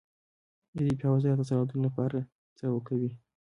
دفاع وزارت د سرحدونو لپاره څه کوي؟